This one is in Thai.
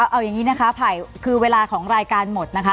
เอาอย่างนี้นะคะไผ่คือเวลาของรายการหมดนะคะ